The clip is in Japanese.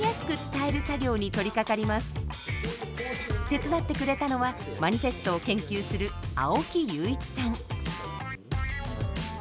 手伝ってくれたのはマニフェストを研究する青木佑一さん。